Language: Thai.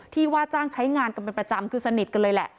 ว่าจ้างใช้งานกันเป็นประจำคือสนิทกันเลยแหละ